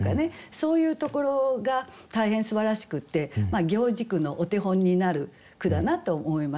そういうところが大変すばらしくて行事句のお手本になる句だなと思います。